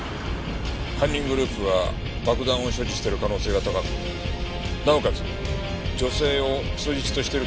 犯人グループは爆弾を所持している可能性が高くなおかつ女性を人質としているケースも考えられる。